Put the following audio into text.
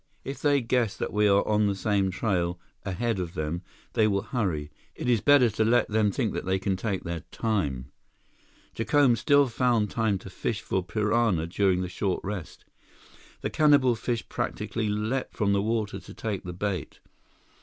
"If they guess that we are on the same trail ahead of them, they will hurry. It is better to let them think that they can take their time." Jacome still found time to fish for piranha during the short rest. The cannibal fish practically leaped from the water to take the bait.